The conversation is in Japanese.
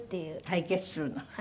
対決するの？